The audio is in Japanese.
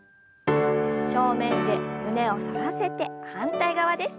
正面で胸を反らせて反対側です。